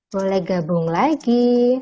boleh gabung lagi